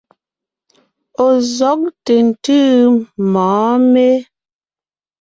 Ɔ̀ zɔ́g ntʉ̀ntʉ́ mɔ̌ɔn mé?